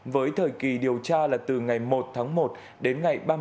với thời kỳ điều tra là từ ngày một tháng một đến ngày ba mươi tháng